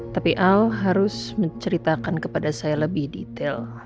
tapi al harus menceritakan kepada saya lebih detail